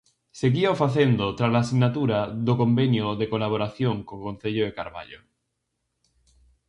Seguíao facendo trala sinatura do convenio de colaboración co concello de Carballo.